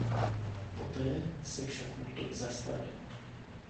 Poté se však útok zastavil.